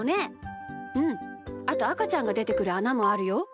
あとあかちゃんがでてくるあなもあるよ。